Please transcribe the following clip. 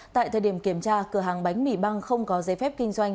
tại thời điểm kiểm tra cửa hàng bánh mì băng không có giấy phép kinh doanh